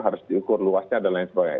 harus diukur luasnya dan lain sebagainya